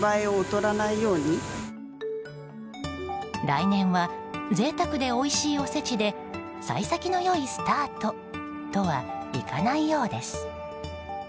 来年は贅沢でおいしいおせちで幸先の良いスタートとはいかないようです。